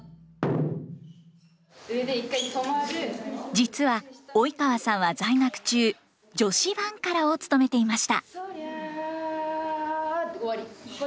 実は及川さんは在学中女子バンカラを務めていました。